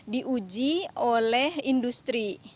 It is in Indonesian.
di uji oleh industri